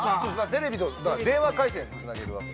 テレビとだから電話回線つなげるわけです。